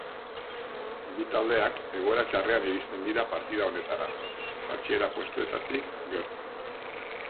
Bi taldeak egoera txarrean iristen dira partida honetara, jaitsiera postuetatik gertu.